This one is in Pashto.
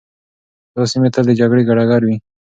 دا سیمي تل د جګړې ډګر وې.